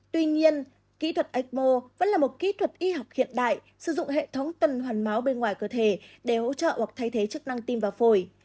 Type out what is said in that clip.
tuy nhiên kỹ thuật ecmo vẫn là một kỹ thuật y học hiện đại sử dụng hệ thống tần hoàn máu bên ngoài cơ thể để hỗ trợ hoặc thay thế chức năng tim và phổi